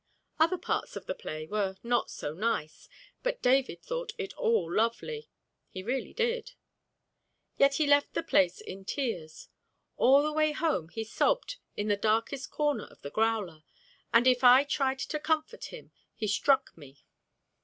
Other parts of the play were not so nice, but David thought it all lovely, he really did. Yet he left the place in tears. All the way home he sobbed in the darkest corner of the growler, and if I tried to comfort him he struck me.